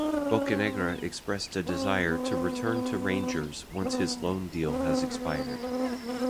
Bocanegra expressed a desire to return to Rangers once his loan deal has expired.